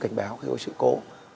cảnh báo khi có sự cố